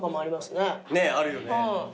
ねえあるよね。